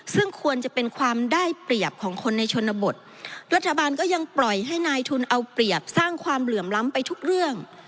ซึ่งควรจะเป็นความได้เปรียบของคนในชนบทรัฐบาลก็ยังปล่อยให้นายทุนเอาเปรียบสร้างความเหลื่อมล้ำไปทุกเรื่อง